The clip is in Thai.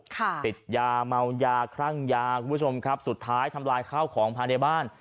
ติดยาเมายาคลั่งยาคุณผู้ชมครับสุดท้ายทำลายข้าวของภายในบ้าน